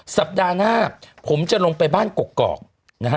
สัปดาห์หน้าผมจะลงไปบ้านกกอกนะฮะ